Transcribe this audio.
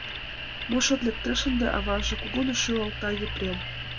— Мо шот лектеш ынде, аваже? — кугун шӱлалта Епрем.